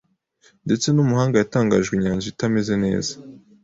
Ndetse n'umuhanga yatangajwe inyanja itameze neza